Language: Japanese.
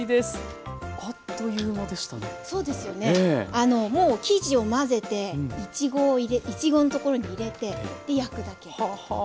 あのもう生地を混ぜていちごのところに入れてで焼くだけ。